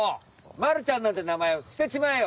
まるちゃんなんてなまえはすてちまえよ！